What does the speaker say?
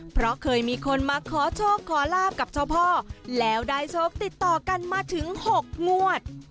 เพราะเคยมีคนมาขอโชคขอลาบกับเจ้าพ่อแล้วได้โชคติดต่อกันมาถึง๖งวด